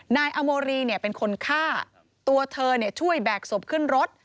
นายอโมรีเป็นคนฆ่าตัวเธอช่วยแบกศพขึ้นรถ